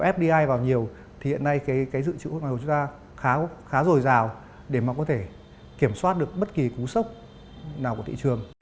nhờ có fdi vào nhiều thì hiện nay cái dự trữ của chúng ta khá rồi rào để mà có thể kiểm soát được bất kỳ cú sốc nào của thị trường